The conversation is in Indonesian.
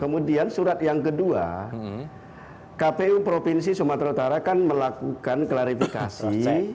kemudian surat yang kedua kpu provinsi sumatera utara kan melakukan klarifikasi